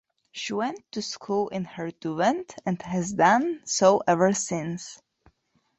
She went to school in her duvet and has done so ever since.